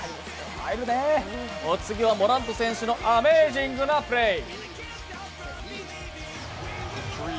お次はモラント選手のアメージングなプレー。